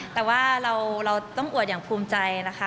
แต่ว่าเราต้องอวดอย่างภูมิใจนะคะ